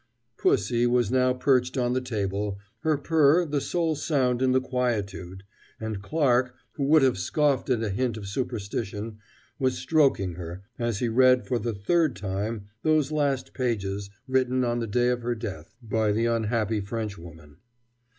Pussie was now perched on the table, her purr the sole sound in the quietude, and Clarke, who would have scoffed at a hint of superstition, was stroking her, as he read for the third time those last pages written on the day of her death by the unhappy Frenchwoman.